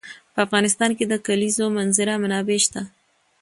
په افغانستان کې د د کلیزو منظره منابع شته.